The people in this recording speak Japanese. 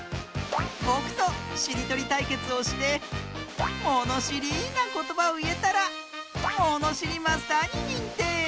ぼくとしりとりたいけつをしてものしりなことばをいえたらものしりマスターににんてい！